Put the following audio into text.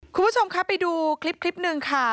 คุณผู้ชมครับไปดูคลิปหนึ่งค่ะ